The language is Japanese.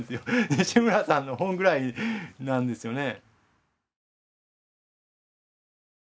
西村さんの本ぐらいなんですよね。